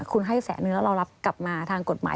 คุณให้แสนนึงแล้วเรารับกลับมาทางกฎหมาย